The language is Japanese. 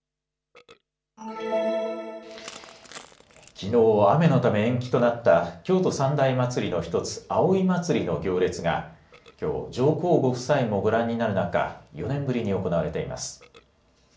きのう雨のため延期となった京都三大祭の１つ葵祭の行列がきょう上皇ご夫妻もご覧になる中、４年ぶりに行われています。